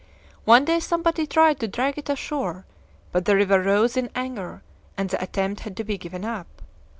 One day somebody tried to drag it ashore, but the river rose in anger, and the attempt had to be given up.